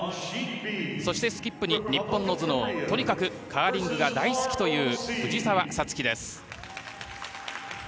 そして、スキップに日本の頭脳とにかくカーリングが大好きという藤澤五月です。